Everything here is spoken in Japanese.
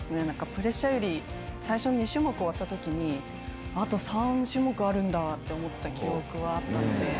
プレッシャーより、最初の２種目終わったときに、あと３種目あるんだって思った記憶はあったんで。